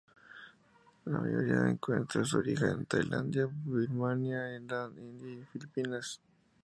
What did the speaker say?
La mayoría encuentra su origen en Tailandia, Birmania, India y Filipinas.